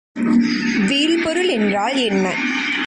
வீழ்பொருள் என்றால் என்ன?